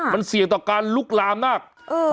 มันเสี่ยงต่อการลุกลามมาก